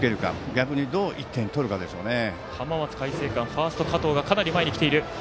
逆にどう１点取るかですね。